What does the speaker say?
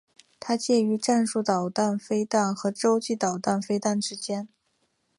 它介于战术弹道飞弹和洲际弹道飞弹之间。